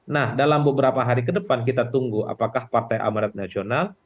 nah dalam beberapa hari ke depan kita tunggu apakah partai amanat nasional